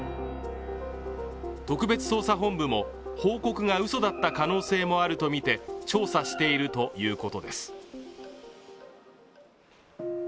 特別捜査本部も報告がうそだった可能性もあるとみて調査しているということです。